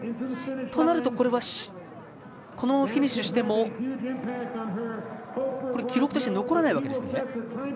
そうなると、これはフィニッシュしても記録として残らないわけですね？